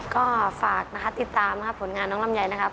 ก็ฝากนะคะติดตามนะครับผลงานน้องลำไยนะครับ